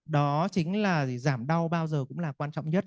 đó chính là giảm đau bao giờ cũng là quan trọng nhất